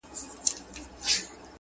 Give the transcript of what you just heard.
او زیاته یې کړه